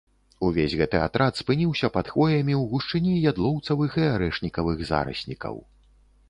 Увесь гэты атрад спыніўся пад хвоямі ў гушчыні ядлоўцавых і арэшнікавых зараснікаў.